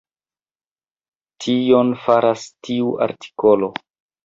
Tion faras tiu artikolo.